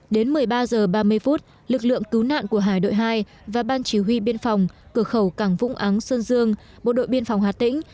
đến một mươi ba h ba mươi phút lực lượng cứu nạn của hải đội hai và ban chỉ huy biên phòng cửa khẩu cảng vũng áng sơn dương bộ đội biên phòng hà tĩnh